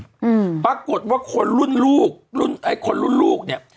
อืมปรากฏว่าคนรุ่นลูกคนรุ่นลูกเนี้ย